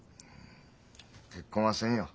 結婚はせんよ。